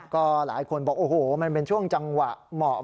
ก็หลายคนบอกโอ้โหมันเป็นช่วงจังหวะเหมาะ